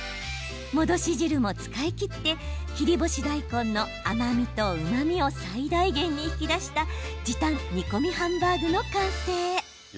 戻し汁も使い切って切り干し大根の甘みとうまみを最大限に引き出した時短煮込みハンバーグの完成。